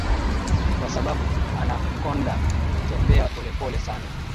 kwa sababu Anacconda hutembea pole pole sana